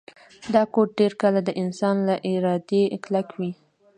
دا کوډ ډیر کله د انسان له ارادې کلک وي